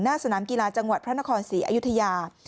สนามกีฬาจังหวัดพระนครศรีอยุธยา